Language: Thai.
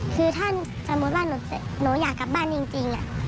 คือถ้าสมมุติว่าหนูอยากกลับบ้านจริง